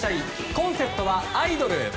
コンセプトは「アイドル」。